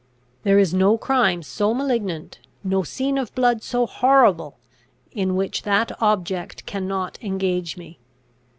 There is no crime so malignant, no scene of blood so horrible, in which that object cannot engage me.